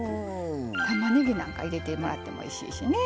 たまねぎなんか入れてもらってもおいしいしね。